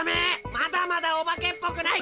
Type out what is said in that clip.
まだまだオバケっぽくない。